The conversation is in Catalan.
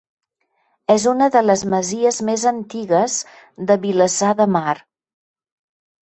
És una de les masies més antigues de Vilassar de Mar.